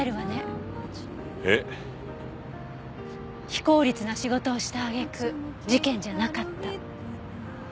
非効率な仕事をした揚げ句事件じゃなかった。